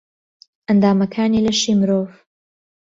ئەندامەکانی لەشی مرۆڤ